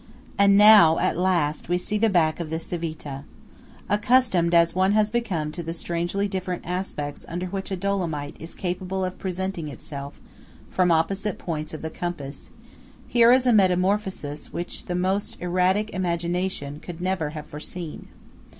And now, at last, we see the back of the Civita. Accustomed as one has become to the strangely different aspects under which a Dolomite is capable of presenting itself from opposite points of the compass, here is a metamorphosis which the most erratic imagination could never have foreseen.